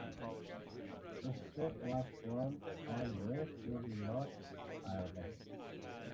Sterritt was born and raised in Northern Ireland.